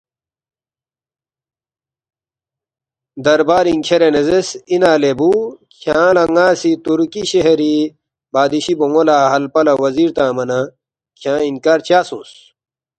“ دربارِنگ کھیرے نہ زیرس، ”اِنا لے بُو کھیانگ لہ ن٘ا سی تُرکی شہری بادشی بون٘و لہ ہلپہ لہ وزیر تنگما نہ کھیانگ اِنکار چا سونگس؟“